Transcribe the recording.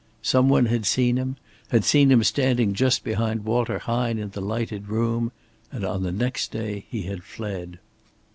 Some one had seen him had seen him standing just behind Walter Hine in the lighted room and on the next day he had fled!